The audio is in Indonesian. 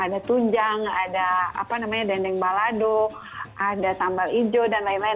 ada tunjang ada dendeng balado ada sambal hijau dan lain lain